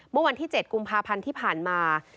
เมื่อวันที่๗กุมภาพันธ์ที่ผ่านมา